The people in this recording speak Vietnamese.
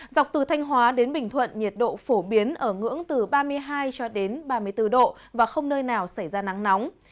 dọc từ thanh hóa đến bình thuận nhiệt độ phổ biến ở ngưỡng từ ba mươi hai cho đến ba mươi bốn độ và không nơi nào xảy ra nắng nóng